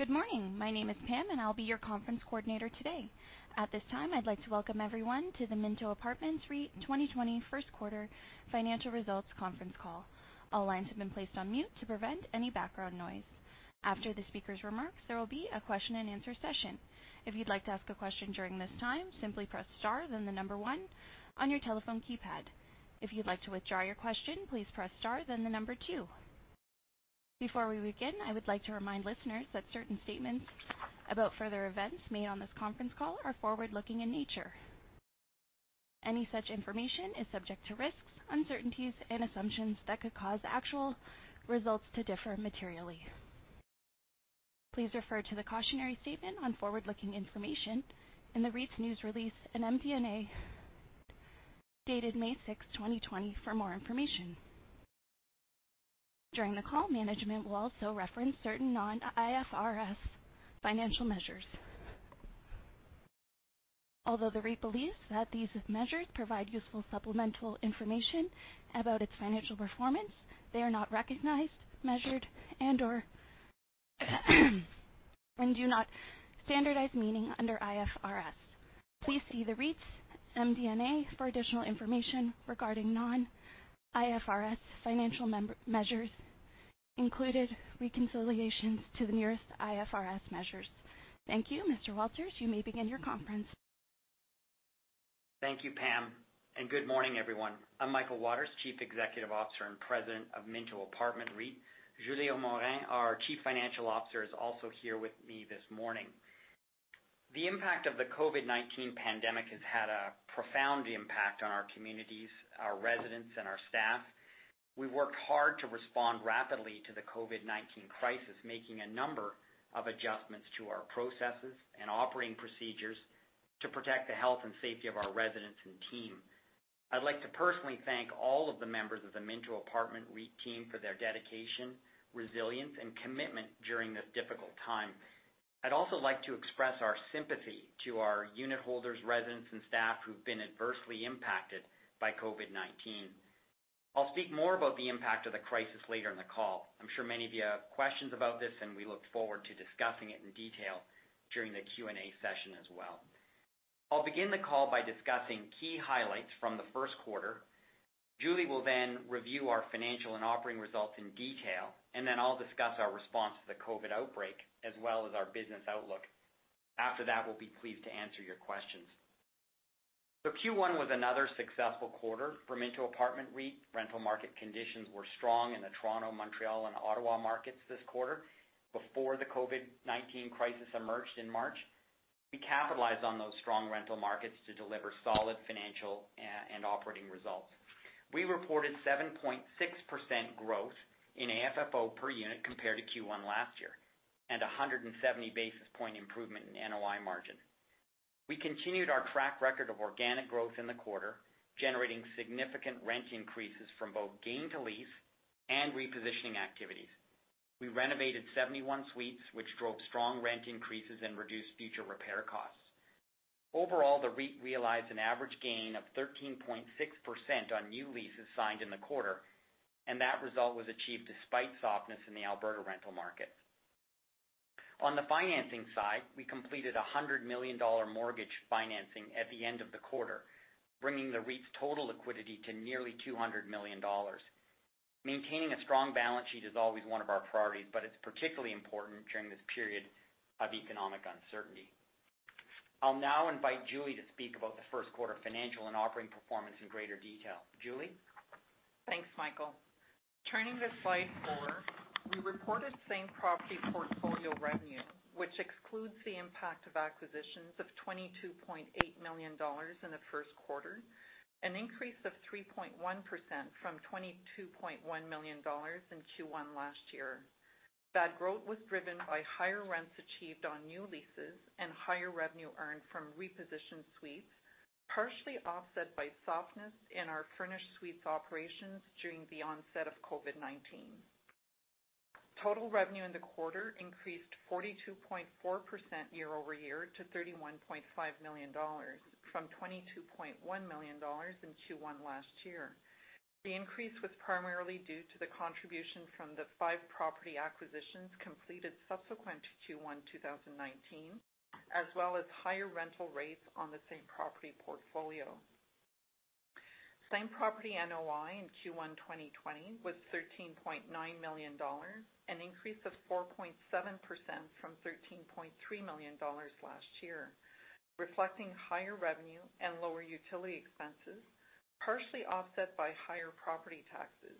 Good morning. My name is Pam, and I'll be your conference coordinator today. At this time, I'd like to welcome everyone to the Minto Apartment REIT 2020 first quarter financial results conference call. All lines have been placed on mute to prevent any background noise. After the speaker's remarks, there will be a question and answer session. If you'd like to ask a question during this time, simply press star then the number one on your telephone keypad. If you'd like to withdraw your question, please press star then the number two. Before we begin, I would like to remind listeners that certain statements about further events made on this conference call are forward-looking in nature. Any such information is subject to risks, uncertainties, and assumptions that could cause actual results to differ materially. Please refer to the cautionary statement on forward-looking information in the REIT's news release in MD&A, dated May 6, 2020 for more information. During the call, management will also reference certain non-IFRS financial measures. Although the REIT believes that these measures provide useful supplemental information about its financial performance, they are not recognized, measured, and do not standardize meaning under IFRS. Please see the REIT's MD&A for additional information regarding non-IFRS financial measures included reconciliations to the nearest IFRS measures. Thank you. Mr. Waters, you may begin your conference. Thank you, Pam, and good morning, everyone. I'm Michael Waters, Chief Executive Officer and President of Minto Apartment REIT. Julie Morin, our Chief Financial Officer, is also here with me this morning. The impact of the COVID-19 pandemic has had a profound impact on our communities, our residents, and our staff. We worked hard to respond rapidly to the COVID-19 crisis, making a number of adjustments to our processes and operating procedures to protect the health and safety of our residents and team. I'd like to personally thank all of the members of the Minto Apartment REIT team for their dedication, resilience, and commitment during this difficult time. I'd also like to express our sympathy to our unitholders, residents, and staff who've been adversely impacted by COVID-19. I'll speak more about the impact of the crisis later in the call. I'm sure many of you have questions about this, and we look forward to discussing it in detail during the Q&A session as well. I'll begin the call by discussing key highlights from the first quarter. Julie will then review our financial and operating results in detail, and then I'll discuss our response to the COVID-19 outbreak, as well as our business outlook. After that, we'll be pleased to answer your questions. Q1 was another successful quarter for Minto Apartment REIT. Rental market conditions were strong in the Toronto, Montreal, and Ottawa markets this quarter before the COVID-19 crisis emerged in March. We capitalized on those strong rental markets to deliver solid financial and operating results. We reported 7.6% growth in AFFO per unit compared to Q1 last year, and 170 basis point improvement in NOI margin. We continued our track record of organic growth in the quarter, generating significant rent increases from both gain to lease and repositioning activities. We renovated 71 suites, which drove strong rent increases and reduced future repair costs. Overall, the REIT realized an average gain of 13.6% on new leases signed in the quarter, and that result was achieved despite softness in the Alberta rental market. On the financing side, we completed a 100 million dollar mortgage financing at the end of the quarter, bringing the REIT's total liquidity to nearly 200 million dollars. Maintaining a strong balance sheet is always one of our priorities, but it's particularly important during this period of economic uncertainty. I'll now invite Julie to speak about the first quarter financial and operating performance in greater detail. Julie? Thanks, Michael. Turning to slide four, we reported same-property portfolio revenue, which excludes the impact of acquisitions of 22.8 million dollars in the first quarter, an increase of 3.1% from 22.1 million dollars in Q1 last year. That growth was driven by higher rents achieved on new leases and higher revenue earned from repositioned suites, partially offset by softness in our furnished suites operations during the onset of COVID-19. Total revenue in the quarter increased 42.4% year-over-year to 31.5 million dollars from 22.1 million dollars in Q1 last year. The increase was primarily due to the contribution from the five property acquisitions completed subsequent to Q1 2019, as well as higher rental rates on the same-property portfolio. Same-property NOI in Q1 2020 was 13.9 million dollars, an increase of 4.7% from 13.3 million dollars last year, reflecting higher revenue and lower utility expenses, partially offset by higher property taxes.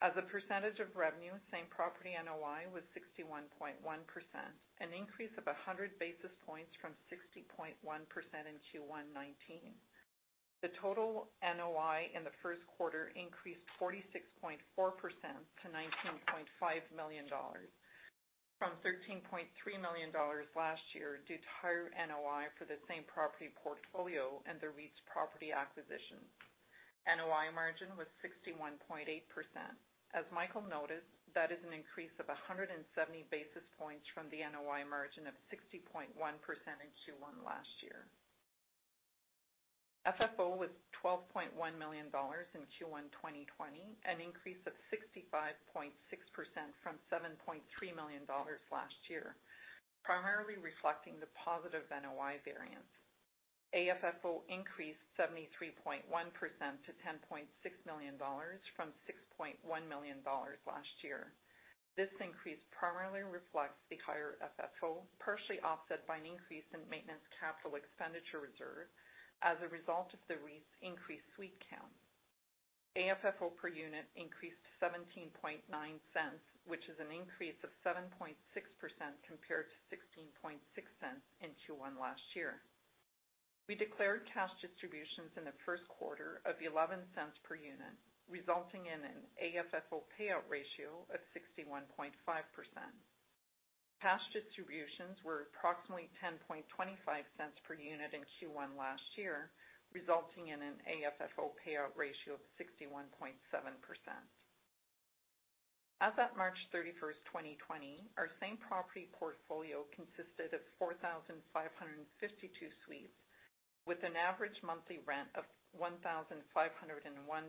As a percentage of revenue, same-property NOI was 61.1%, an increase of 100 basis points from 60.1% in Q1 2019. The total NOI in the first quarter increased 46.4% to 19.5 million dollars from 13.3 million dollars last year due to higher NOI for the same-property portfolio and the REIT's property acquisition. NOI margin was 61.8%. As Michael noted, that is an increase of 170 basis points from the NOI margin of 60.1% in Q1 last year. FFO was 12.1 million dollars in Q1 2020, an increase of 65.6% from 7.3 million dollars last year, primarily reflecting the positive NOI variance. AFFO increased 73.1% to 10.6 million dollars from 6.1 million dollars last year. This increase primarily reflects the higher FFO, partially offset by an increase in maintenance capital expenditure reserve as a result of the REIT's increased suite count. AFFO per unit increased to 0.179, which is an increase of 7.6% compared to 0.166 in Q1 last year. We declared cash distributions in the first quarter of 0.11 per unit, resulting in an AFFO payout ratio of 61.5%. Cash distributions were approximately 0.1025 per unit in Q1 last year, resulting in an AFFO payout ratio of 61.7%. As of March 31st, 2020, our same-property portfolio consisted of 4,552 suites, with an average monthly rent of 1,501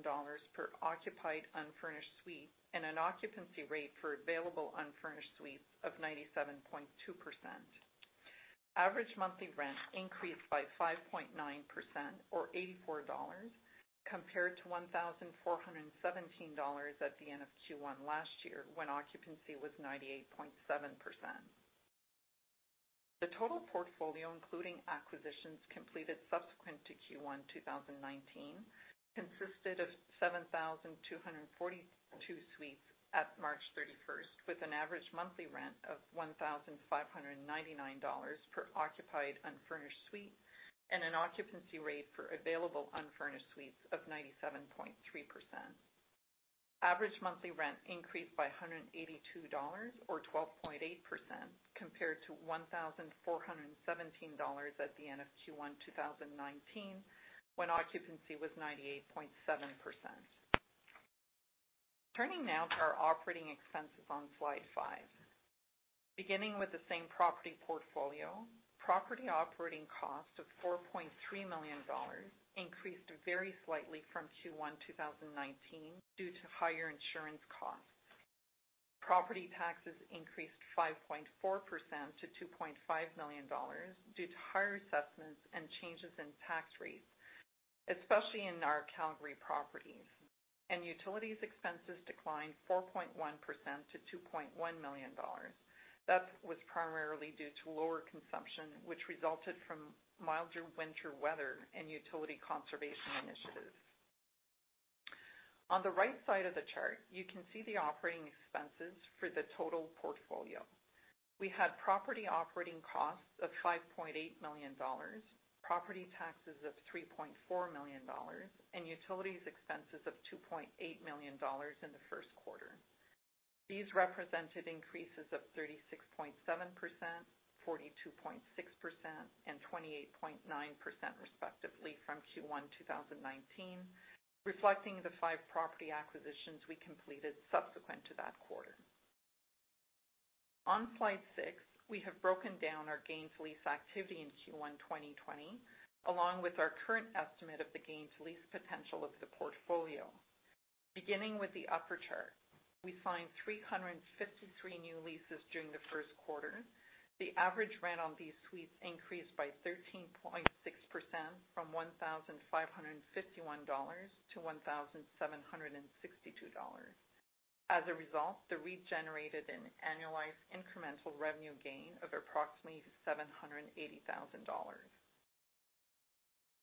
dollars per occupied unfurnished suite and an occupancy rate for available unfurnished suites of 97.2%. Average monthly rent increased by 5.9%, or 84 dollars, compared to 1,417 dollars at the end of Q1 last year, when occupancy was 98.7%. The total portfolio, including acquisitions completed subsequent to Q1 2019, consisted of 7,242 suites at March 31st, with an average monthly rent of 1,599 dollars per occupied unfurnished suite and an occupancy rate for available unfurnished suites of 97.3%. Average monthly rent increased by 182 dollars, or 12.8%, compared to 1,417 dollars at the end of Q1 2019, when occupancy was 98.7%. Turning now to our operating expenses on slide five. Beginning with the same-property portfolio, property operating costs of 4.3 million dollars increased very slightly from Q1 2019 due to higher insurance costs. Property taxes increased 5.4% to 2.5 million dollars due to higher assessments and changes in tax rates, especially in our Calgary properties. Utilities expenses declined 4.1% to 2.1 million dollars. That was primarily due to lower consumption, which resulted from milder winter weather and utility conservation initiatives. On the right side of the chart, you can see the operating expenses for the total portfolio. We had property operating costs of 5.8 million dollars, property taxes of 3.4 million dollars, and utilities expenses of 2.8 million dollars in the first quarter. These represented increases of 36.7%, 42.6%, and 28.9%, respectively, from Q1 2019, reflecting the five property acquisitions we completed subsequent to that quarter. On slide six, we have broken down our gain-to-lease activity in Q1 2020, along with our current estimate of the gain-to-lease potential of the portfolio. Beginning with the upper chart, we signed 353 new leases during the first quarter. The average rent on these suites increased by 13.6%, from 1,551 dollars to 1,762 dollars. As a result, the REIT generated an annualized incremental revenue gain of approximately 780,000 dollars.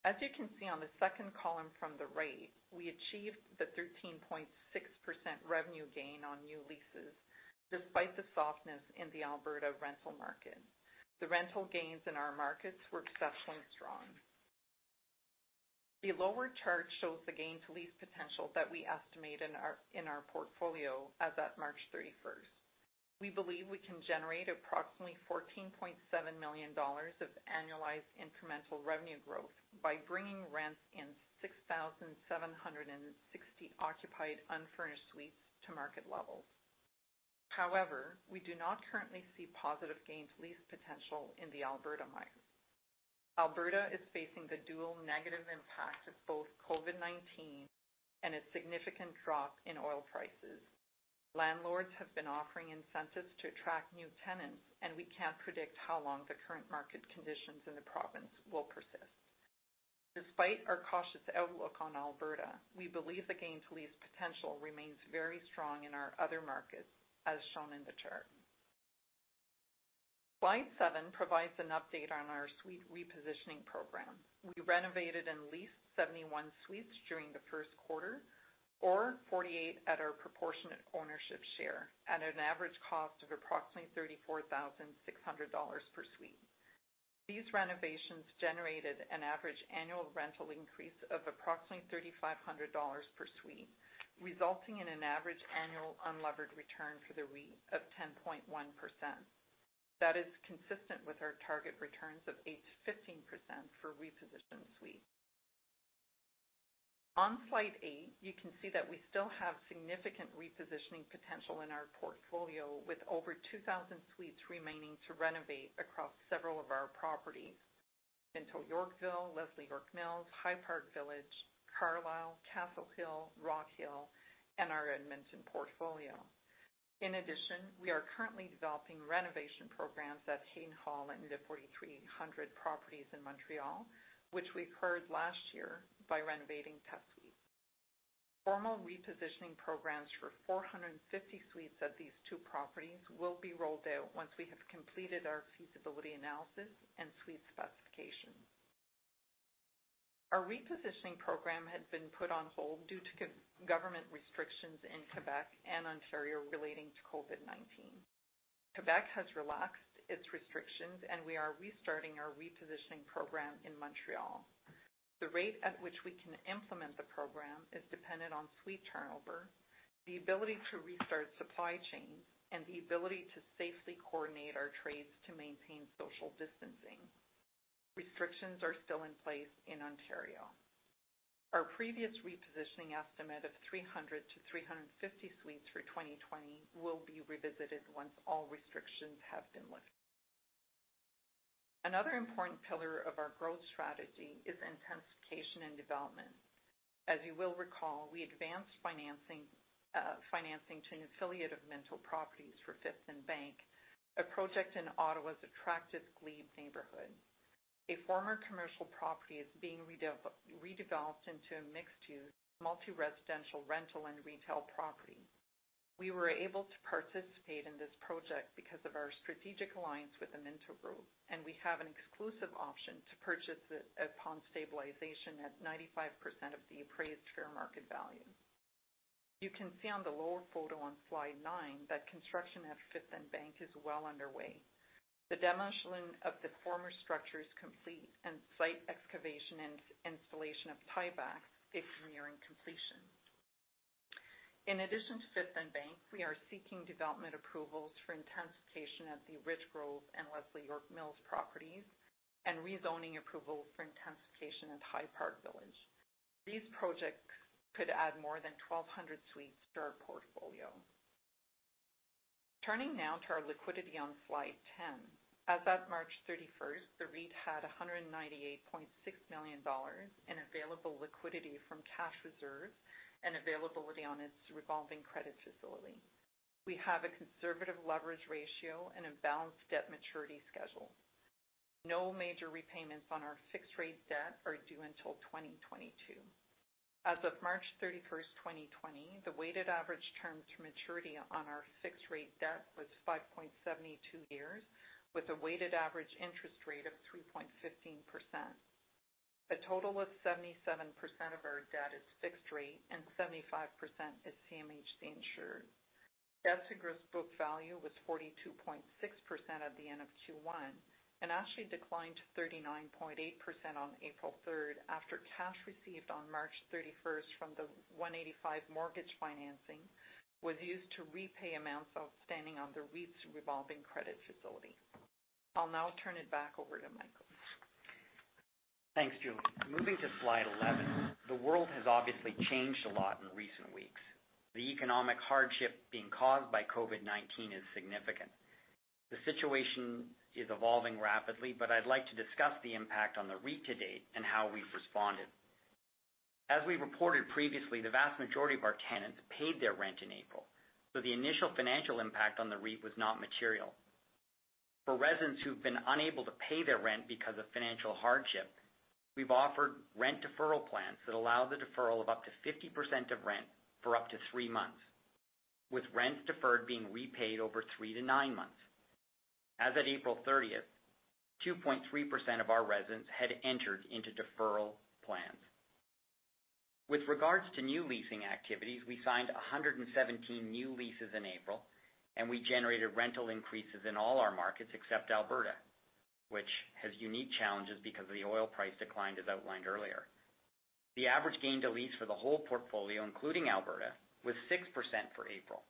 As you can see on the second column from the right, we achieved the 13.6% revenue gain on new leases despite the softness in the Alberta rental market. The rental gains in our markets were exceptionally strong. The lower chart shows the gain-to-lease potential that we estimate in our portfolio as at March 31st. We believe we can generate approximately 14.7 million dollars of annualized incremental revenue growth by bringing rents in 6,760 occupied unfurnished suites to market levels. However, we do not currently see positive gain-to-lease potential in the Alberta market. Alberta is facing the dual negative impact of both COVID-19 and a significant drop in oil prices. Landlords have been offering incentives to attract new tenants, and we can't predict how long the current market conditions in the province will persist. Despite our cautious outlook on Alberta, we believe the gain-to-lease potential remains very strong in our other markets, as shown in the chart. Slide seven provides an update on our suite repositioning program. We renovated and leased 71 suites during the first quarter, or 48 at our proportionate ownership share, at an average cost of approximately 34,600 dollars per suite. These renovations generated an average annual rental increase of approximately 3,500 dollars per suite, resulting in an average annual unlevered return for the REIT of 10.1%. That is consistent with our target returns of eight to 15% for repositioned suites. On slide eight, you can see that we still have significant repositioning potential in our portfolio with over 2,000 suites remaining to renovate across several of our properties in Yorkville, Leslie York Mills, High Park Village, Carlyle, Castle Hill, Rockhill, and our Edmonton portfolio. In addition, we are currently developing renovation programs at Haddon Hall and the 4,300 properties in Montreal, which we've heard last year by renovating test suites. Formal repositioning programs for 450 suites at these two properties will be rolled out once we have completed our feasibility analysis and suite specifications. Our repositioning program had been put on hold due to government restrictions in Quebec and Ontario relating to COVID-19. Quebec has relaxed its restrictions, we are restarting our repositioning program in Montreal. The rate at which we can implement the program is dependent on suite turnover, the ability to restart supply chains, and the ability to safely coordinate our trades to maintain social distancing. Restrictions are still in place in Ontario. Our previous repositioning estimate of 300-350 suites for 2020 will be revisited once all restrictions have been lifted. Another important pillar of our growth strategy is intensification and development. As you will recall, we advanced financing to an affiliate of Minto Properties for Fifth and Bank, a project in Ottawa's attractive Glebe neighborhood. A former commercial property is being redeveloped into a mixed-use, multi-residential, rental and retail property. We were able to participate in this project because of our strategic alliance with the Minto Group, and we have an exclusive option to purchase it upon stabilization at 95% of the appraised fair market value. You can see on the lower photo on slide nine that construction at Fifth and Bank is well underway. The demolishing of the former structure is complete, and site excavation and installation of tie backs is nearing completion. In addition to Fifth and Bank, we are seeking development approvals for intensification of the Richgrove and Leslie York Mills properties and rezoning approval for intensification at High Park Village. These projects could add more than 1,200 suites to our portfolio. Turning now to our liquidity on slide 10. As of March 31st, the REIT had 198.6 million dollars in available liquidity from cash reserves and availability on its revolving credit facility. We have a conservative leverage ratio and a balanced debt maturity schedule. No major repayments on our fixed-rate debt are due until 2022. As of March 31st, 2020, the weighted average term to maturity on our fixed-rate debt was 5.72 years, with a weighted average interest rate of 3.15%. A total of 77% of our debt is fixed rate and 75% is CMHC insured. Debt to gross book value was 42.6% at the end of Q1 and actually declined to 39.8% on April 3rd, after cash received on March 31st from the 185 mortgage financing was used to repay amounts outstanding on the REIT's revolving credit facility. I'll now turn it back over to Michael. Thanks, Julie. Moving to slide 11. The world has obviously changed a lot in recent weeks. The economic hardship being caused by COVID-19 is significant. The situation is evolving rapidly. I'd like to discuss the impact on the REIT to date and how we've responded. As we reported previously, the vast majority of our tenants paid their rent in April. The initial financial impact on the REIT was not material. For residents who've been unable to pay their rent because of financial hardship, we've offered rent deferral plans that allow the deferral of up to 50% of rent for up to three months, with rents deferred being repaid over three to nine months. As of April 30th, 2.3% of our residents had entered into deferral plans. With regards to new leasing activities, we signed 117 new leases in April, we generated rental increases in all our markets except Alberta, which has unique challenges because of the oil price decline, as outlined earlier. The average gain to lease for the whole portfolio, including Alberta, was 6% for April.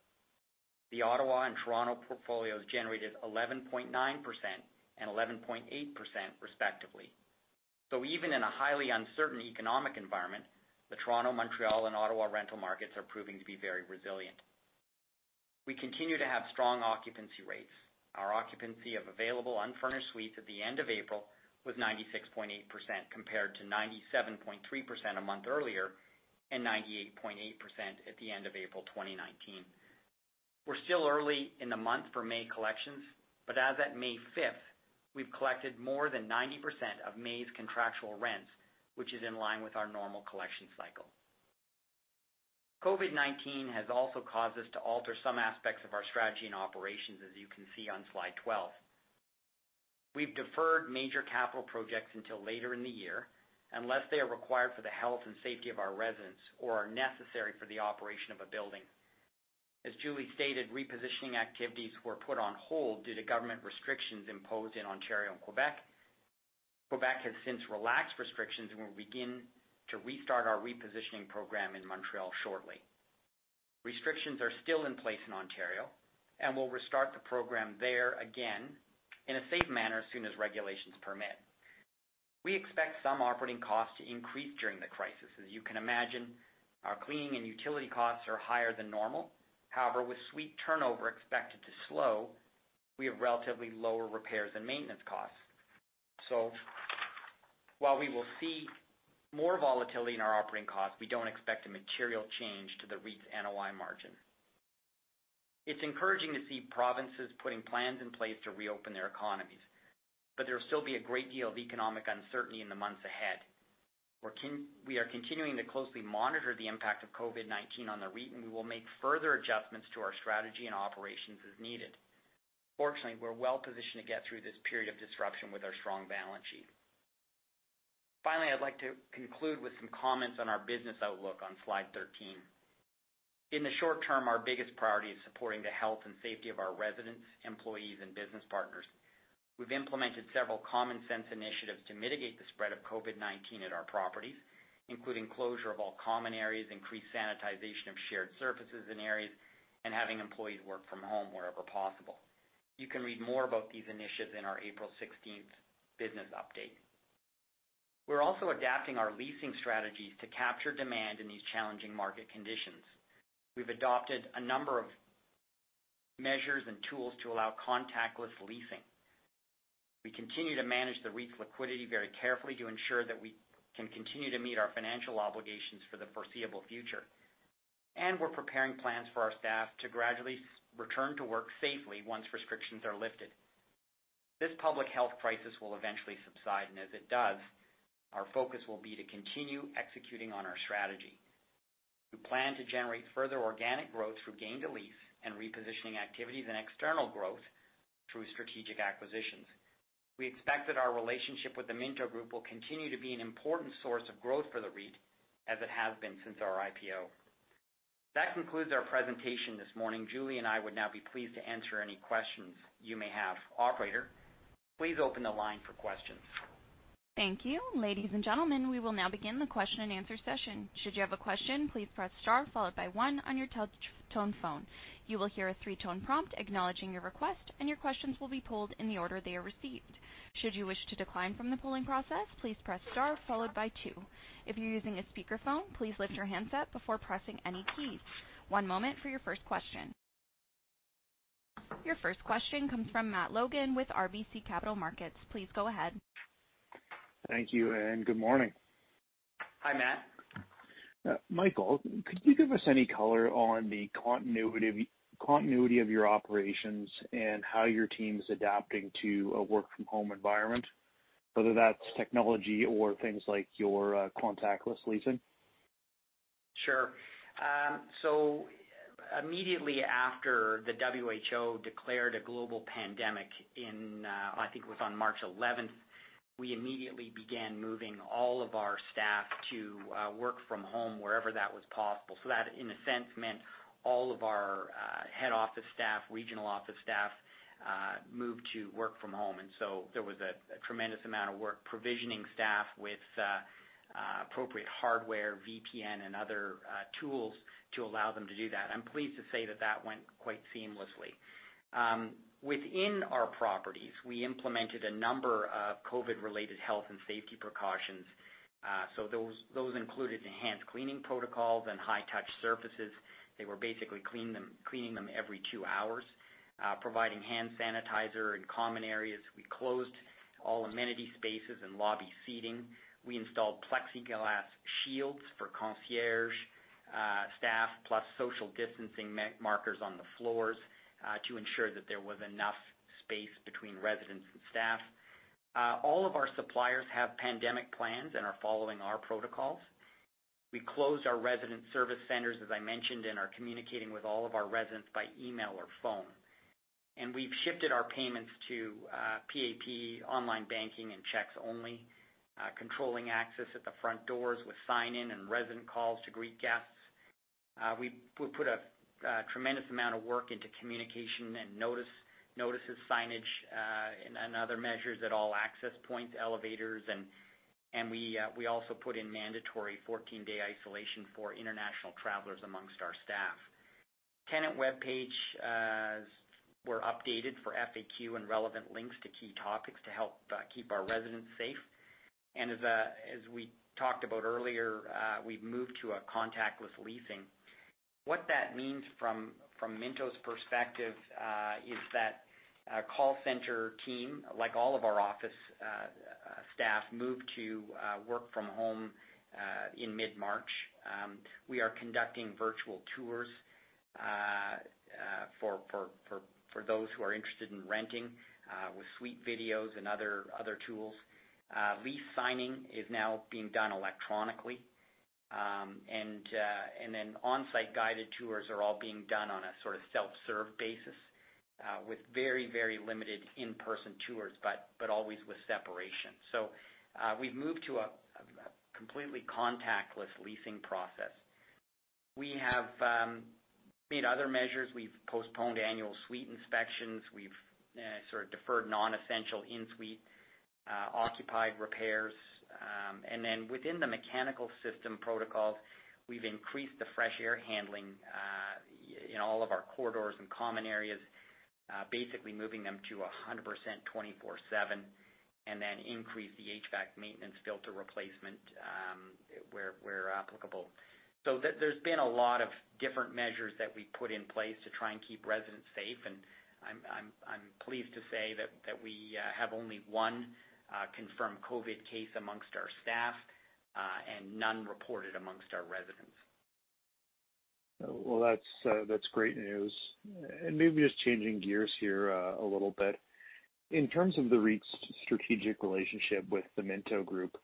The Ottawa and Toronto portfolios generated 11.9% and 11.8% respectively. Even in a highly uncertain economic environment, the Toronto, Montreal, and Ottawa rental markets are proving to be very resilient. We continue to have strong occupancy rates. Our occupancy of available unfurnished suites at the end of April was 96.8%, compared to 97.3% a month earlier and 98.8% at the end of April 2019. We're still early in the month for May collections, as at May 5th, we've collected more than 90% of May's contractual rents, which is in line with our normal collection cycle. COVID-19 has also caused us to alter some aspects of our strategy and operations, as you can see on slide 12. We've deferred major capital projects until later in the year, unless they are required for the health and safety of our residents or are necessary for the operation of a building. As Julie stated, repositioning activities were put on hold due to government restrictions imposed in Ontario and Quebec. Quebec has since relaxed restrictions and will begin to restart our repositioning program in Montreal shortly. Restrictions are still in place in Ontario, and we'll restart the program there again in a safe manner as soon as regulations permit. We expect some operating costs to increase during the crisis. As you can imagine, our cleaning and utility costs are higher than normal. However, with suite turnover expected to slow, we have relatively lower repairs and maintenance costs. While we will see more volatility in our operating costs, we don't expect a material change to the REIT's NOI margin. It's encouraging to see provinces putting plans in place to reopen their economies, but there will still be a great deal of economic uncertainty in the months ahead. We are continuing to closely monitor the impact of COVID-19 on the REIT, and we will make further adjustments to our strategy and operations as needed. Fortunately, we're well-positioned to get through this period of disruption with our strong balance sheet. Finally, I'd like to conclude with some comments on our business outlook on slide 13. In the short term, our biggest priority is supporting the health and safety of our residents, employees, and business partners. We've implemented several common-sense initiatives to mitigate the spread of COVID-19 at our properties, including closure of all common areas, increased sanitization of shared surfaces and areas, and having employees work from home wherever possible. You can read more about these initiatives in our April 16th business update. We're also adapting our leasing strategies to capture demand in these challenging market conditions. We've adopted a number of measures and tools to allow contactless leasing. We continue to manage the REIT's liquidity very carefully to ensure that we can continue to meet our financial obligations for the foreseeable future. We're preparing plans for our staff to gradually return to work safely once restrictions are lifted. This public health crisis will eventually subside, and as it does, our focus will be to continue executing on our strategy. We plan to generate further organic growth through gain-to-lease and repositioning activities and external growth through strategic acquisitions. We expect that our relationship with the Minto Group will continue to be an important source of growth for the REIT as it has been since our IPO. That concludes our presentation this morning. Julie and I would now be pleased to answer any questions you may have. Operator, please open the line for questions. Thank you. Ladies and gentlemen, we will now begin the question and answer session. Should you have a question, please press star followed by one on your touch tone phone. You will hear a three-tone prompt acknowledging your request, and your questions will be pooled in the order they are received. Should you wish to decline from the pooling process, please press star followed by two. If you're using a speakerphone, please lift your handset before pressing any keys. One moment for your first question. Your first question comes from Matt Logan with RBC Capital Markets. Please go ahead. Thank you and good morning. Hi, Matt. Michael, could you give us any color on the continuity of your operations and how your team's adapting to a work-from-home environment, whether that's technology or things like your contactless leasing? Sure. Immediately after the WHO declared a global pandemic in, I think it was on March 11th, we immediately began moving all of our staff to work from home wherever that was possible. That, in a sense, meant all of our head office staff, regional office staff, moved to work from home. There was a tremendous amount of work provisioning staff with appropriate hardware, VPN, and other tools to allow them to do that. I'm pleased to say that that went quite seamlessly. Within our properties, we implemented a number of COVID-19-related health and safety precautions. Those included enhanced cleaning protocols and high-touch surfaces. They were basically cleaning them every two hours, providing hand sanitizer in common areas. We closed all amenity spaces and lobby seating. We installed plexiglass shields for concierge staff, plus social distancing markers on the floors to ensure that there was enough space between residents and staff. All of our suppliers have pandemic plans and are following our protocols. We closed our resident service centers, as I mentioned, are communicating with all of our residents by email or phone. We've shifted our payments to PAP, online banking, and checks only, controlling access at the front doors with sign-in and resident calls to greet guests. We put a tremendous amount of work into communication and notices, signage, and other measures at all access points, elevators, and we also put in mandatory 14-day isolation for international travelers amongst our staff. Tenant web pages were updated for FAQ and relevant links to key topics to help keep our residents safe. As we talked about earlier, we've moved to a contactless leasing. What that means from Minto's perspective is that our call center team, like all of our office staff, moved to work from home in mid-March. We are conducting virtual tours for those who are interested in renting, with suite videos and other tools. Lease signing is now being done electronically. Onsite guided tours are all being done on a sort of self-serve basis with very limited in-person tours, but always with separation. We've moved to a completely contactless leasing process. We have made other measures. We've postponed annual suite inspections. We've sort of deferred non-essential in-suite occupied repairs. Within the mechanical system protocols, we've increased the fresh air handling, in all of our corridors and common areas, basically moving them to 100% 24/7, and then increased the HVAC maintenance filter replacement, where applicable. There's been a lot of different measures that we put in place to try and keep residents safe. I'm pleased to say that we have only one confirmed COVID case amongst our staff, and none reported amongst our residents. Well, that's great news. Maybe just changing gears here a little bit. In terms of the REIT's strategic relationship with the Minto Group,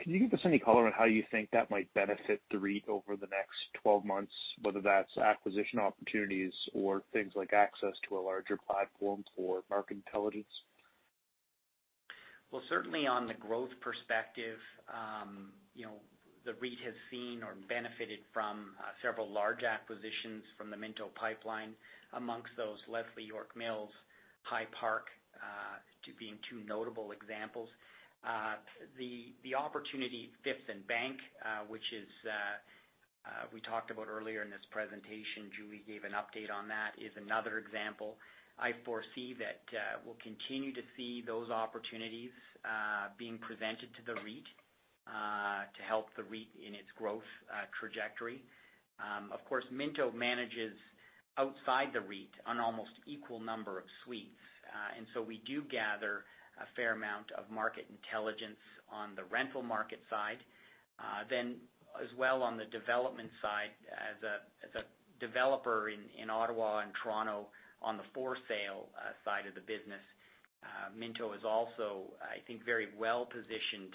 can you give us any color on how you think that might benefit the REIT over the next 12 months, whether that's acquisition opportunities or things like access to a larger platform for market intelligence? Well, certainly on the growth perspective, the REIT has seen or benefited from several large acquisitions from the Minto pipeline. Amongst those, Leslie York Mills, High Park, being two notable examples. The opportunity, Fifth and Bank, which we talked about earlier in this presentation, Julie Morin gave an update on that, is another example. I foresee that we'll continue to see those opportunities being presented to the REIT, to help the REIT in its growth trajectory. Of course, Minto manages outside the REIT on almost equal number of suites. We do gather a fair amount of market intelligence on the rental market side. As well on the development side, as a developer in Ottawa and Toronto on the for sale side of the business, Minto is also, I think, very well-positioned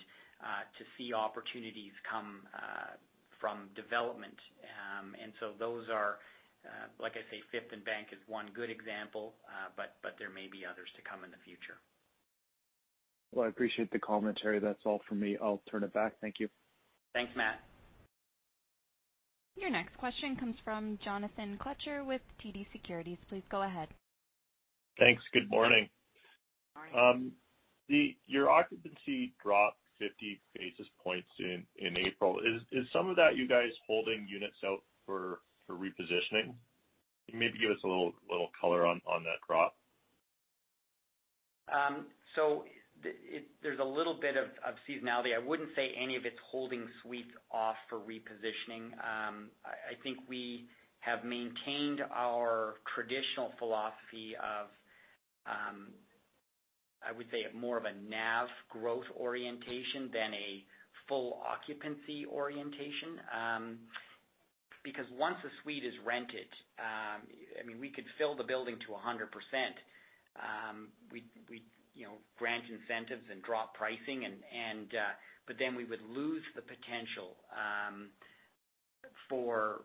to see opportunities come from development. Those are, like I say, Fifth and Bank is one good example, but there may be others to come in the future. Well, I appreciate the commentary. That's all from me. I'll turn it back. Thank you. Thanks, Matt. Your next question comes from Jonathan Kelcher with TD Securities. Please go ahead. Thanks. Good morning. Morning. Your occupancy dropped 50 basis points in April. Is some of that you guys holding units out for repositioning? Can you maybe give us a little color on that drop? There's a little bit of seasonality. I wouldn't say any of it's holding suites off for repositioning. I think we have maintained our traditional philosophy of, I would say, more of a NAV growth orientation than a full occupancy orientation. Once a suite is rented, we could fill the building to 100%. We grant incentives and drop pricing but then we would lose the potential to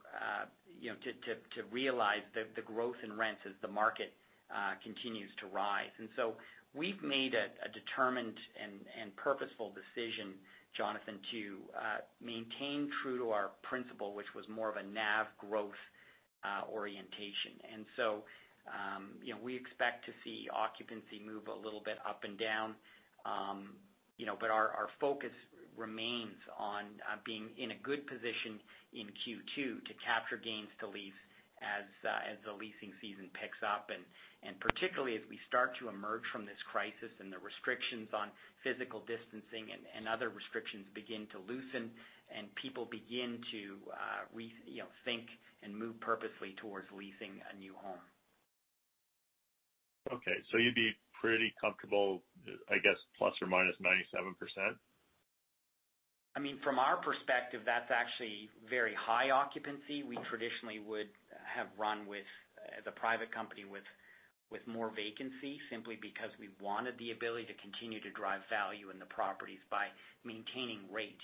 realize the growth in rents as the market continues to rise. We've made a determined and purposeful decision, Jonathan, to maintain true to our principle, which was more of a NAV growth orientation. We expect to see occupancy move a little bit up and down. Our focus remains on being in a good position in Q2 to capture gains to lease as the leasing season picks up, and particularly as we start to emerge from this crisis and the restrictions on physical distancing and other restrictions begin to loosen and people begin to rethink and move purposely towards leasing a new home. Okay, you'd be pretty comfortable, I guess, ±97%? From our perspective, that's actually very high occupancy. We traditionally would have run with, as a private company, with more vacancy simply because we wanted the ability to continue to drive value in the properties by maintaining rate,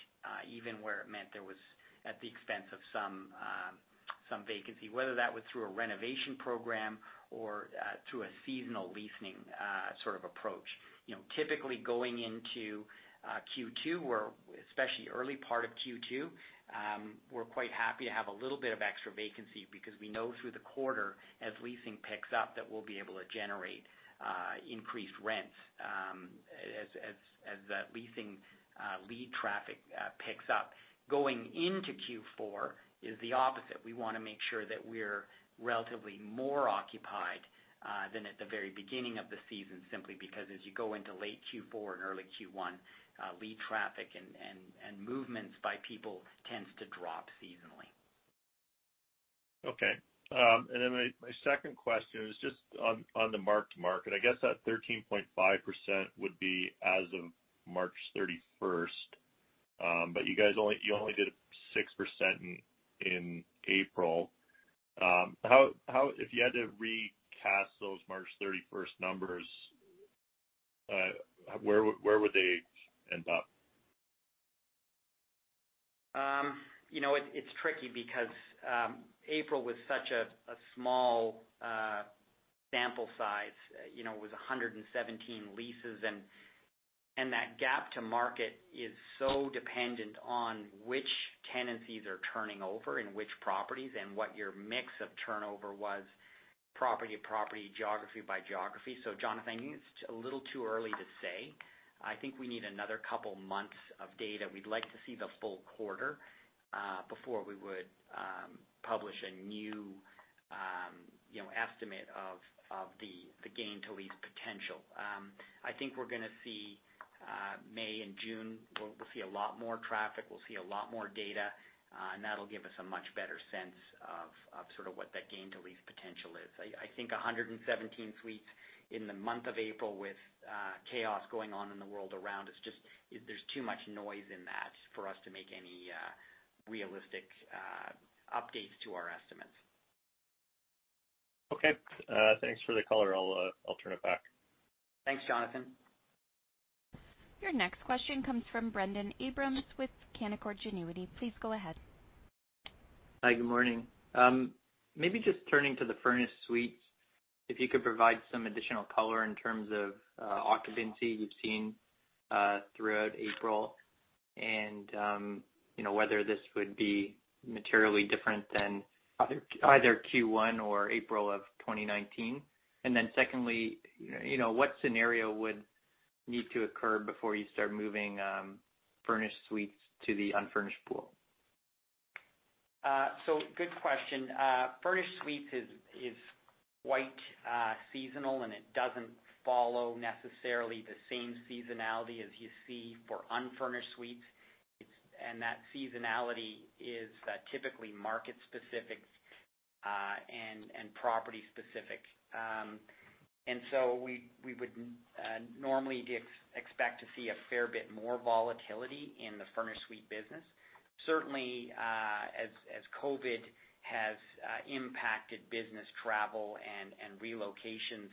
even where it meant there was at the expense of some vacancy, whether that was through a renovation program or through a seasonal leasing sort of approach. Typically going into Q2, or especially early part of Q2, we're quite happy to have a little bit of extra vacancy because we know through the quarter, as leasing picks up, that we'll be able to generate increased rents as the leasing lead traffic picks up. Going into Q4 is the opposite. We want to make sure that we're relatively more occupied than at the very beginning of the season, simply because as you go into late Q4 and early Q1, lead traffic and movements by people tends to drop seasonally. Okay. My second question is just on the mark-to-market. I guess that 13.5% would be as of March 31st. You only did 6% in April. If you had to recast those March 31st numbers, where would they end up? It's tricky because April was such a small sample size. It was 117 leases, and that gap to market is so dependent on which tenancies are turning over and which properties and what your mix of turnover was, property geography by geography. Jonathan, I think it's a little too early to say. I think we need another couple months of data. We'd like to see the full quarter, before we would publish a new estimate of the gain to lease potential. I think we're going to see May and June. We'll see a lot more traffic. We'll see a lot more data. That'll give us a much better sense of what that gain to lease potential is. I think 117 suites in the month of April with chaos going on in the world around is just, there's too much noise in that for us to make any realistic updates to our estimates. Okay. Thanks for the color. I'll turn it back. Thanks, Jonathan. Your next question comes from Brendon Abrams with Canaccord Genuity. Please go ahead. Hi, good morning. Maybe just turning to the furnished suites, if you could provide some additional color in terms of occupancy you've seen, throughout April and whether this would be materially different than either Q1 or April of 2019. Secondly, what scenario would need to occur before you start moving furnished suites to the unfurnished pool? Good question. Furnished suites is quite seasonal, and it doesn't follow necessarily the same seasonality as you see for unfurnished suites. That seasonality is typically market specific, and property specific. We would normally expect to see a fair bit more volatility in the furnished suite business. Certainly, as COVID-19 has impacted business travel and relocations,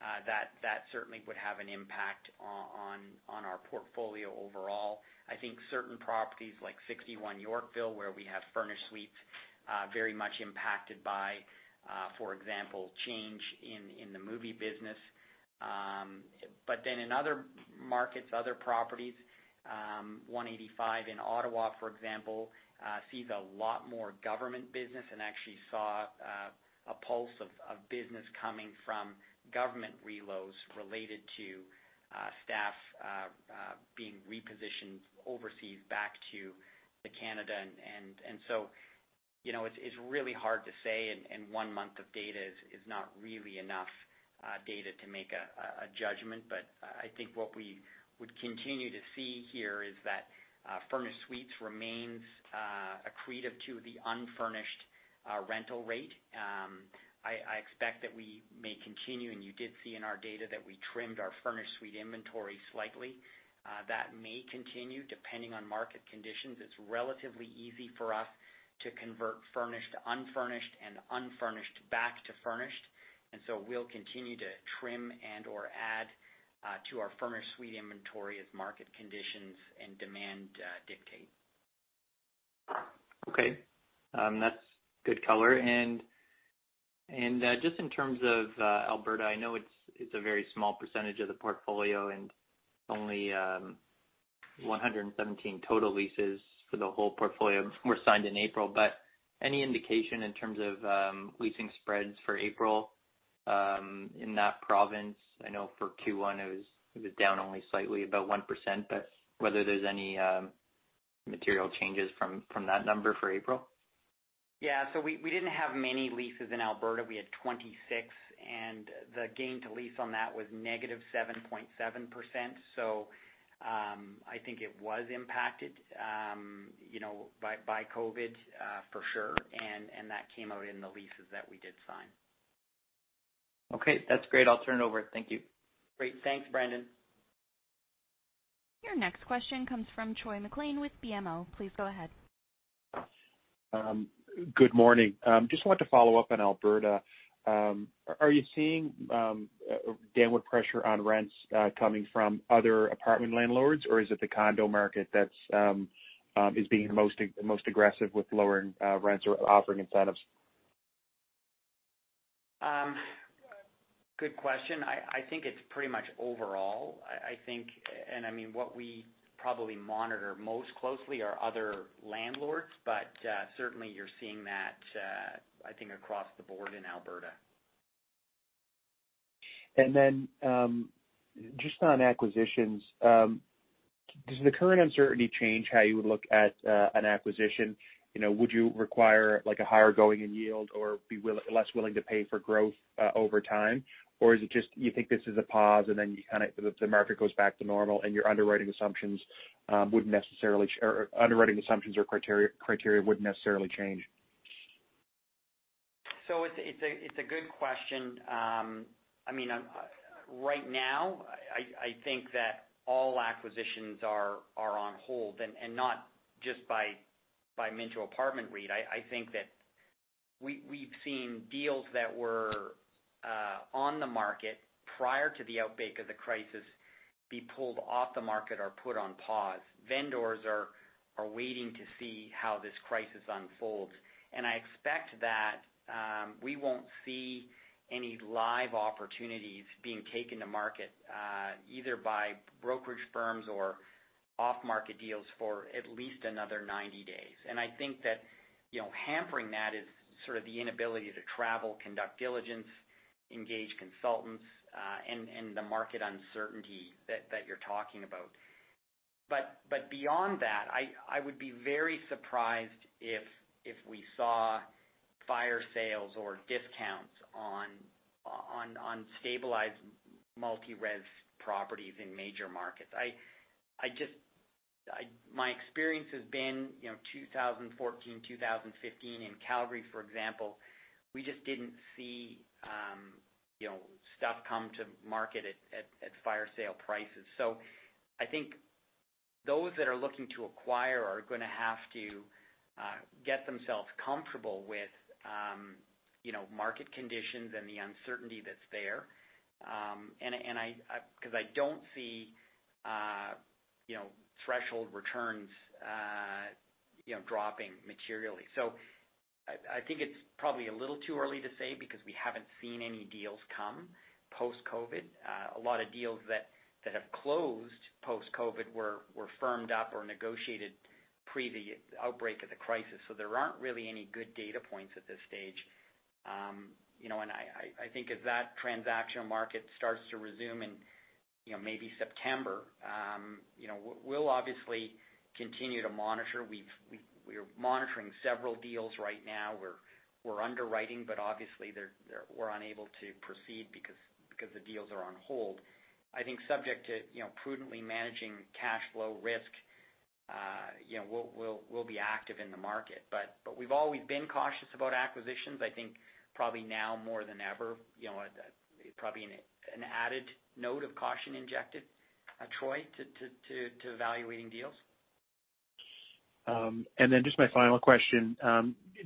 that certainly would have an impact on our portfolio overall. I think certain properties like 61 Yorkville, where we have furnished suites, very much impacted by, for example, change in the movie business. In other markets, other properties, 185 in Ottawa, for example sees a lot more government business and actually saw a pulse of business coming from government relos related to staff being repositioned overseas back to Canada. It's really hard to say, and one month of data is not really enough data to make a judgment. I think what we would continue to see here is that furnished suites remains accretive to the unfurnished rental rate. I expect that we may continue, and you did see in our data that we trimmed our furnished suite inventory slightly. That may continue depending on market conditions. It's relatively easy for us to convert furnished to unfurnished and unfurnished back to furnished. We'll continue to trim and/or add to our furnished suite inventory as market conditions and demand dictate. Okay. That's good color. Just in terms of Alberta, I know it's a very small percentage of the portfolio, and only, 117 total leases for the whole portfolio were signed in April. Any indication in terms of leasing spreads for April, in that province? I know for Q1 it was down only slightly, about 1%, but whether there's any material changes from that number for April. Yeah. We didn't have many leases in Alberta. We had 26, and the gain to lease on that was negative 7.7%. I think it was impacted by COVID, for sure. That came out in the leases that we did sign. Okay. That's great. I'll turn it over. Thank you. Great. Thanks, Brendon. Your next question comes from Troy MacLean with BMO. Please go ahead. Good morning. Just wanted to follow up on Alberta. Are you seeing downward pressure on rents coming from other apartment landlords, or is it the condo market that is being the most aggressive with lowering rents or offering incentives? Good question. I think it's pretty much overall. What we probably monitor most closely are other landlords. Certainly you're seeing that, I think across the board in Alberta. Just on acquisitions. Does the current uncertainty change how you would look at an acquisition? Would you require a higher going in yield or be less willing to pay for growth over time? Is it just you think this is a pause, and then the market goes back to normal and your underwriting assumptions or criteria wouldn't necessarily change? It's a good question. Right now, I think that all acquisitions are on hold and not just by Minto Apartment REIT. I think that we've seen deals that were on the market prior to the outbreak of the crisis be pulled off the market or put on pause. Vendors are waiting to see how this crisis unfolds. I expect that, we won't see any live opportunities being taken to market, either by brokerage firms or off-market deals for at least another 90 days. I think that hampering that is sort of the inability to travel, conduct diligence, engage consultants, and the market uncertainty that you're talking about. Beyond that, I would be very surprised if we saw fire sales or discounts on stabilized multi-res properties in major markets. My experience has been, 2014, 2015 in Calgary, for example, we just didn't see stuff come to market at fire sale prices. I think those that are looking to acquire are going to have to get themselves comfortable with market conditions and the uncertainty that's there. I don't see threshold returns dropping materially. I think it's probably a little too early to say because we haven't seen any deals come post-COVID. A lot of deals that have closed post-COVID were firmed up or negotiated pre the outbreak of the crisis. There aren't really any good data points at this stage. I think as that transactional market starts to resume in maybe September, we'll obviously continue to monitor. We're monitoring several deals right now. We're underwriting, but obviously we're unable to proceed because the deals are on hold. I think subject to prudently managing cash flow risk, we'll be active in the market. We've always been cautious about acquisitions. I think probably now more than ever, probably an added note of caution injected, Troy, to evaluating deals. Just my final question.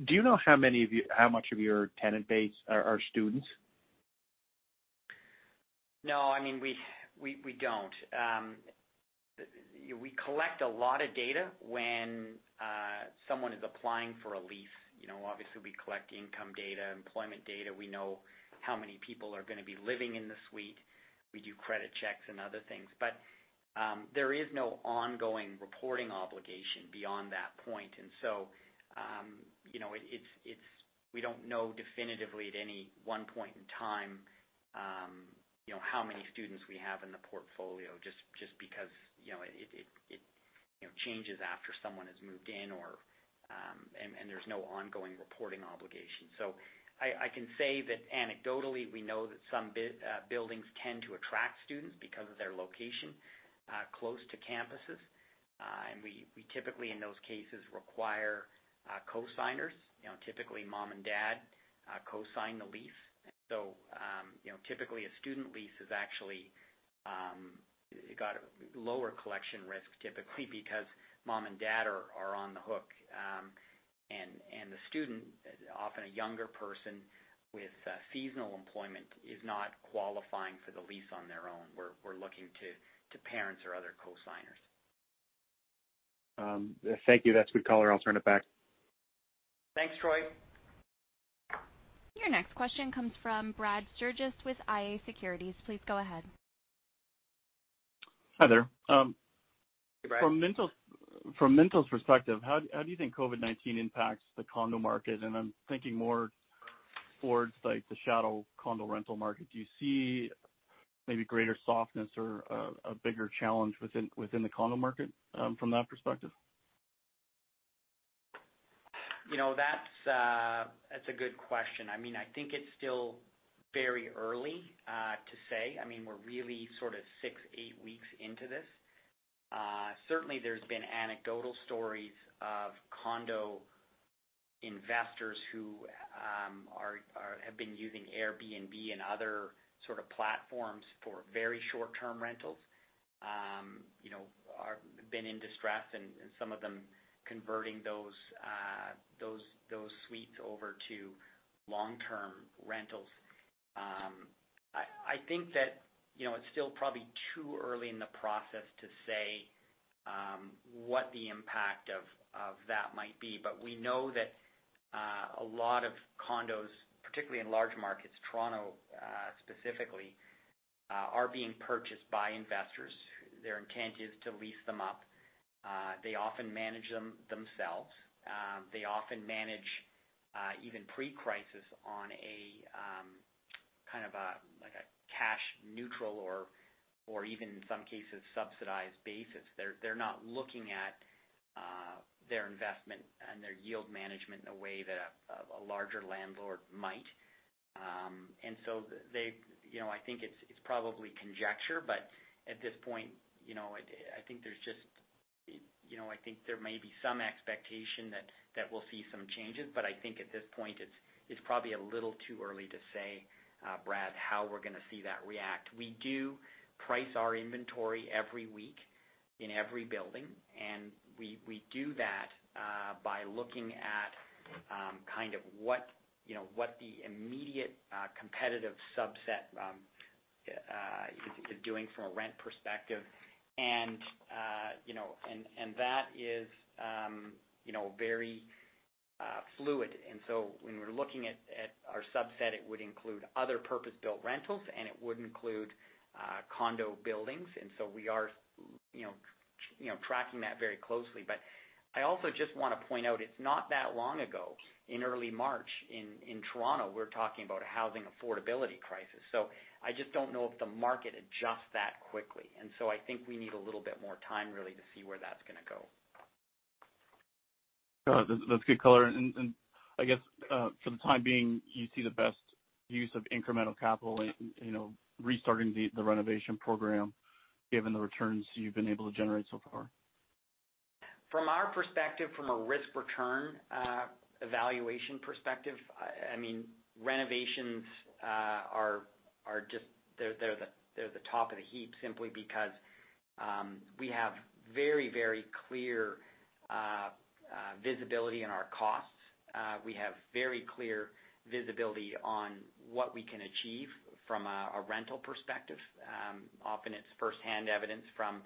Do you know how much of your tenant base are students? No. We don't. We collect a lot of data when someone is applying for a lease. Obviously we collect income data, employment data. We know how many people are going to be living in the suite. We do credit checks and other things. There is no ongoing reporting obligation beyond that point. We don't know definitively at any one point in time how many students we have in the portfolio just because it changes after someone has moved in, and there's no ongoing reporting obligation. I can say that anecdotally, we know that some buildings tend to attract students because of their location close to campuses. We typically, in those cases, require cosigners. Typically mom and dad cosign the lease. Typically a student lease has actually got lower collection risk typically because mom and dad are on the hook. The student, often a younger person with seasonal employment, is not qualifying for the lease on their own. We're looking to parents or other cosigners. Thank you. That's a good call. I'll turn it back. Thanks, Troy. Your next question comes from Brad Sturges with iA Securities. Please go ahead. Hi there. Hey, Brad. From Minto's perspective, how do you think COVID-19 impacts the condo market? I'm thinking more towards like the shadow condo rental market. Do you see maybe greater softness or a bigger challenge within the condo market from that perspective? That's a good question. I think it's still very early to say. We're really sort of six, eight weeks into this. Certainly there's been anecdotal stories of condo investors who have been using Airbnb and other sort of platforms for very short-term rentals, have been in distress and some of them converting those suites over to long-term rentals. I think that it's still probably too early in the process to say what the impact of that might be. We know that a lot of condos, particularly in large markets, Toronto specifically, are being purchased by investors. Their intent is to lease them up. They often manage them themselves. They often manage, even pre-crisis, on a kind of like a cash neutral or even in some cases subsidized basis. They're not looking at their investment and their yield management in a way that a larger landlord might. I think it's probably conjecture, but at this point I think there may be some expectation that we'll see some changes. I think at this point it's probably a little too early to say, Brad Sturges, how we're going to see that react. We do price our inventory every week in every building, and we do that by looking at kind of what the immediate competitive subset is doing from a rent perspective. That is very fluid. When we're looking at our subset, it would include other purpose-built rentals and it would include condo buildings. We are tracking that very closely. I also just want to point out, it's not that long ago, in early March in Toronto, we were talking about a housing affordability crisis. I just don't know if the market adjusts that quickly. I think we need a little bit more time, really, to see where that's going to go. No, that's good color. I guess for the time being, you see the best use of incremental capital in restarting the renovation program, given the returns you've been able to generate so far. From our perspective, from a risk-return evaluation perspective, renovations, they're the top of the heap simply because we have very clear visibility in our costs. We have very clear visibility on what we can achieve from a rental perspective. Often it's firsthand evidence from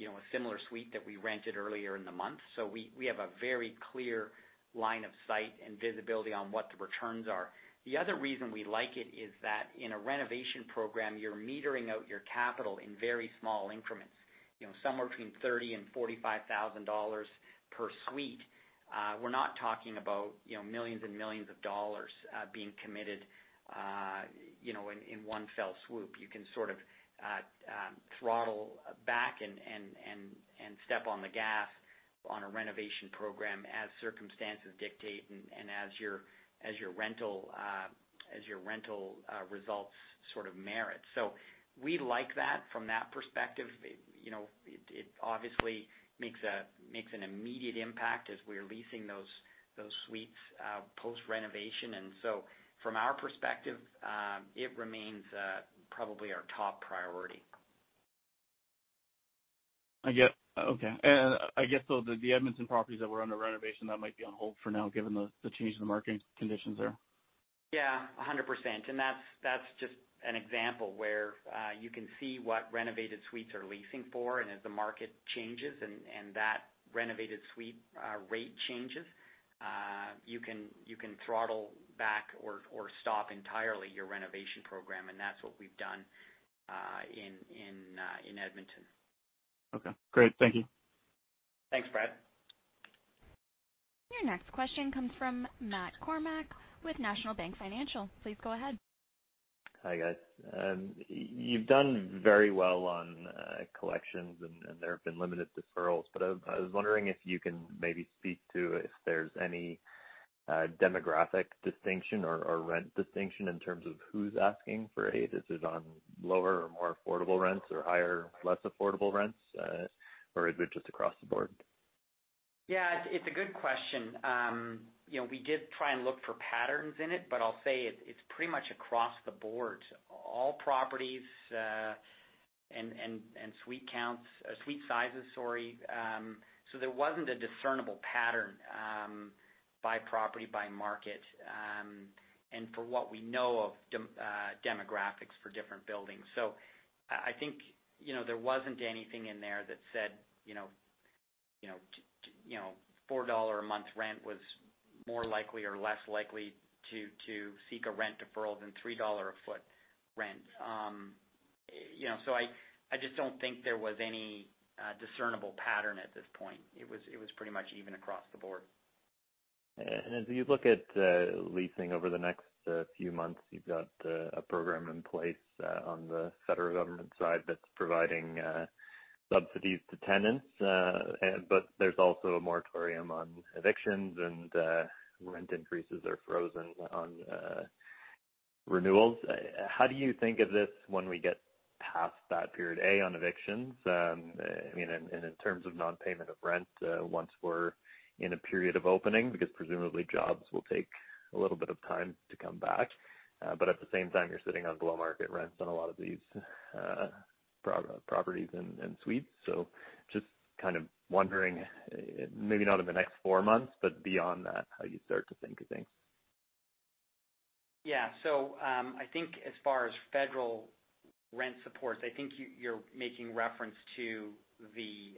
a similar suite that we rented earlier in the month. We have a very clear line of sight and visibility on what the returns are. The other reason we like it is that in a renovation program, you're metering out your capital in very small increments. Somewhere between 30,000 and 45,000 dollars per suite. We're not talking about millions and millions of dollars being committed in one fell swoop. You can sort of throttle back and step on the gas on a renovation program as circumstances dictate and as your rental results sort of merit. We like that from that perspective. It obviously makes an immediate impact as we're leasing those suites post-renovation. From our perspective, it remains probably our top priority. Okay. I guess the Edmonton properties that were under renovation, that might be on hold for now given the change in the market conditions there. Yeah, 100%. That's just an example where you can see what renovated suites are leasing for, and as the market changes and that renovated suite rate changes, you can throttle back or stop entirely your renovation program, and that's what we've done in Edmonton. Okay, great. Thank you. Thanks, Brad. Your next question comes from Matt Kornack with National Bank Financial. Please go ahead. Hi, guys. You've done very well on collections, and there have been limited deferrals, but I was wondering if you can maybe speak to if there's any demographic distinction or rent distinction in terms of who's asking for aid. Is it on lower or more affordable rents or higher, less affordable rents? Is it just across the board? Yeah, it's a good question. We did try and look for patterns in it, I'll say it's pretty much across the board. All properties and suite sizes. There wasn't a discernible pattern by property, by market, and for what we know of demographics for different buildings. I think there wasn't anything in there that said 4 dollar a month rent was more likely or less likely to seek a rent deferral than 3 dollar a foot rent. I just don't think there was any discernible pattern at this point. It was pretty much even across the board. As you look at leasing over the next few months, you've got a program in place on the federal government side that's providing subsidies to tenants. There's also a moratorium on evictions and rent increases are frozen on renewals. How do you think of this when we get past that period, A, on evictions? In terms of non-payment of rent once we're in a period of opening, because presumably jobs will take a little bit of time to come back. At the same time, you're sitting on below-market rents on a lot of these properties and suites. Just kind of wondering, maybe not in the next four months, but beyond that, how you start to think of things. I think as far as federal rent supports, I think you're making reference to the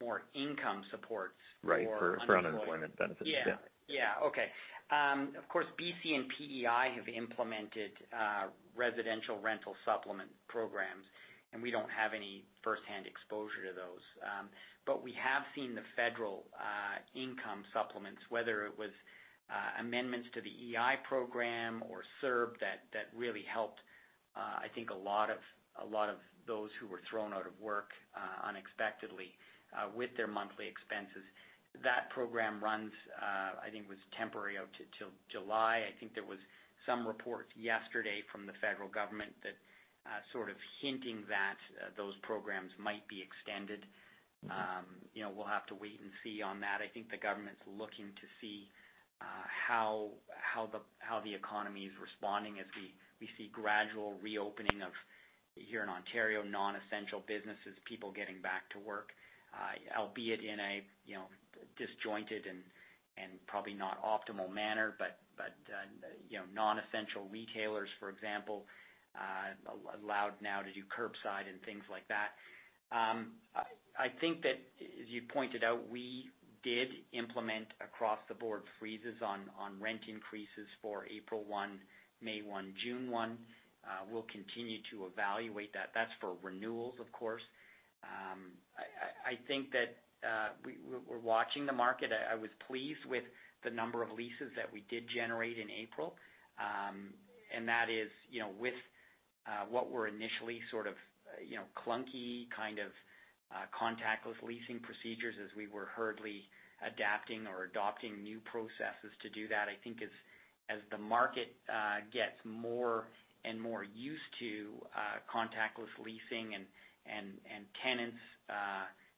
more income supports for unemployment. Right. For unemployment benefits. Yeah. Yeah. Okay. Of course, BC and PEI have implemented residential rental supplement programs, and we don't have any firsthand exposure to those. We have seen the federal income supplements, whether it was amendments to the EI program or CERB, that really helped, I think, a lot of those who were thrown out of work unexpectedly with their monthly expenses. That program runs, I think it was temporary out till July. I think there was some reports yesterday from the federal government sort of hinting that those programs might be extended. We'll have to wait and see on that. I think the government's looking to see how the economy is responding as we see gradual reopening of, here in Ontario, non-essential businesses, people getting back to work, albeit in a disjointed and probably not optimal manner. Non-essential retailers, for example, allowed now to do curbside and things like that. I think that, as you pointed out, we did implement across the board freezes on rent increases for April 1, May 1, June 1. We'll continue to evaluate that. That's for renewals, of course. I think that we're watching the market. I was pleased with the number of leases that we did generate in April, and that is with what were initially sort of clunky kind of contactless leasing procedures as we were hurriedly adapting or adopting new processes to do that. I think as the market gets more and more used to contactless leasing and tenants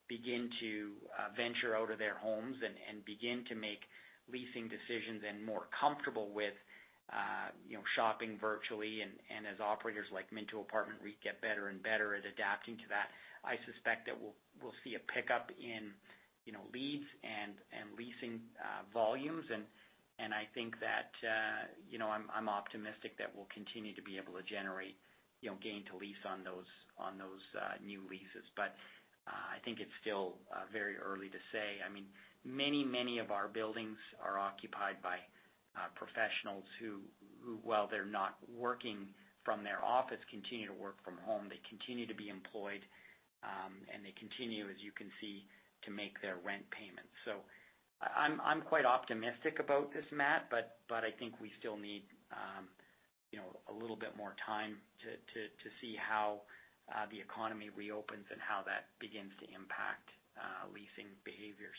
begin to venture out of their homes and begin to make leasing decisions and more comfortable with shopping virtually, and as operators like Minto Apartment REIT get better and better at adapting to that, I suspect that we'll see a pickup in leads and leasing volumes. I think that I'm optimistic that we'll continue to be able to generate gain to lease on those new leases. I think it's still very early to say. Many of our buildings are occupied by professionals who, while they're not working from their office, continue to work from home. They continue to be employed, and they continue, as you can see, to make their rent payments. I'm quite optimistic about this, Matt, but I think we still need a little bit more time to see how the economy reopens and how that begins to impact leasing behaviors.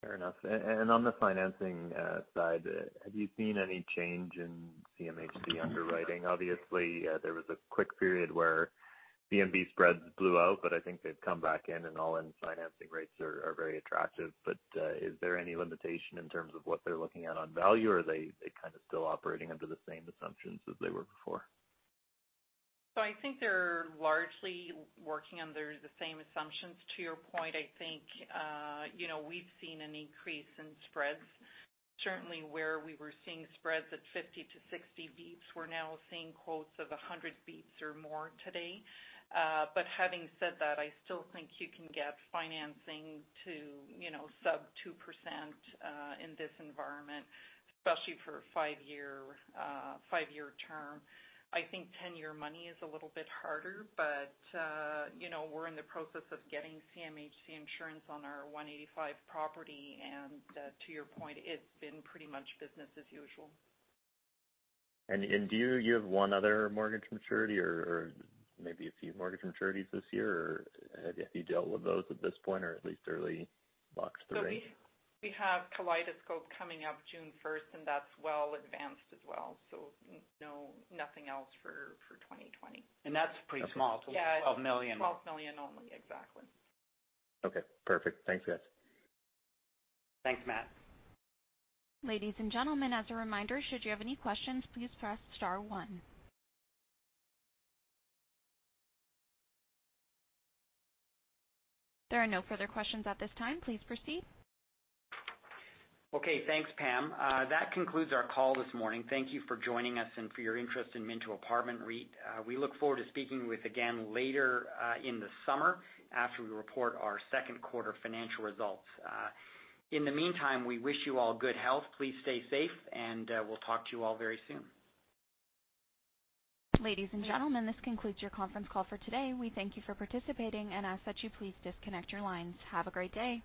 Fair enough. On the financing side, have you seen any change in CMHC underwriting? Obviously, there was a quick period where CMB spreads blew out, but I think they've come back in and all-in financing rates are very attractive. Is there any limitation in terms of what they're looking at on value, or are they kind of still operating under the same assumptions as they were before? I think they're largely working under the same assumptions. To your point, I think we've seen an increase in spreads. Certainly, where we were seeing spreads at 50 to 60 basis points, we're now seeing quotes of 100 basis points or more today. Having said that, I still think you can get financing to sub 2% in this environment, especially for five-year term. I think 10-year money is a little bit harder. We're in the process of getting CMHC insurance on our 185 property, and to your point, it's been pretty much business as usual. Do you have one other mortgage maturity or maybe a few mortgage maturities this year? Or have you dealt with those at this point or at least early locked the rate? We have Kaleidoscope coming up June 1st. That's well advanced as well. Nothing else for 2020. That's pretty small. 12 million. Yeah. 12 million only. Exactly. Okay, perfect. Thanks, guys. Thanks, Matt. Ladies and gentlemen, as a reminder, should you have any questions, please press star one. There are no further questions at this time. Please proceed. Okay. Thanks, Pam. That concludes our call this morning. Thank you for joining us and for your interest in Minto Apartment REIT. We look forward to speaking with you again later in the summer after we report our second quarter financial results. In the meantime, we wish you all good health. Please stay safe, and we'll talk to you all very soon. Ladies and gentlemen, this concludes your conference call for today. We thank you for participating and ask that you please disconnect your lines. Have a great day.